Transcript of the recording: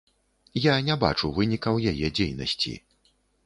Я не бачу вынікаў яе дзейнасці.